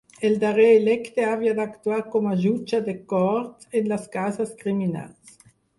El darrer electe havia d'actuar com a jutge de cort en les causes criminals.